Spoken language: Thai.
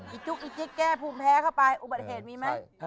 จุ๊กอีจิ๊กแก้ภูมิแพ้เข้าไปอุบัติเหตุมีไหม